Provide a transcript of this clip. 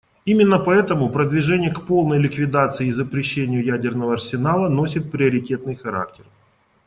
Именно поэтому продвижение к полной ликвидации и запрещению ядерного арсенала носит приоритетный характер.